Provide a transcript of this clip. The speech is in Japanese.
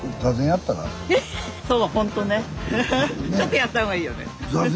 ちょっとやった方がいいよね。